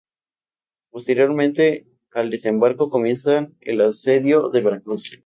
Posterior al desembarco, comienzan el asedio de Veracruz.